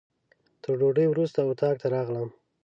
تر ډوډۍ وروسته اتاق ته راغلم.